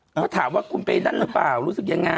ก็ถามว่ากูไปได้หรือเปล่ารู้สึกยังไง